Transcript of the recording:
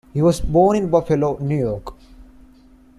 He was born in Buffalo, New York.